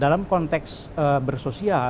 dalam konteks bersosial